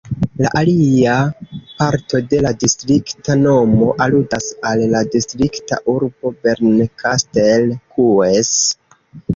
La alia parto de la distrikta nomo aludas al la distrikta urbo Bernkastel-Kues.